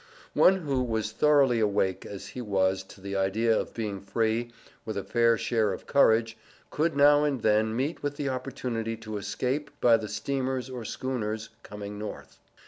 One who was thoroughly awake as he was to the idea of being free, with a fair share of courage, could now and then meet with the opportunity to escape by the steamers or schooners coming North.